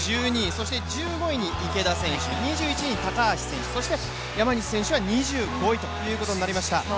そして１５位に池田選手２１位に高橋選手そして山西選手は２５位ということになりました。